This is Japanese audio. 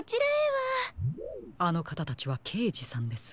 あのかたたちはけいじさんです。